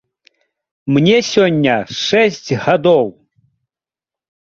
Мне сёння шэсць гадоў!